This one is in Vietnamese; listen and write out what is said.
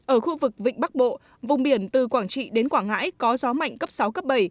ở khu vực vịnh bắc bộ vùng biển từ quảng trị đến quảng ngãi có gió mạnh cấp sáu cấp bảy